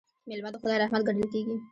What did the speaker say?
میلمه د خدای رحمت ګڼل کیږي.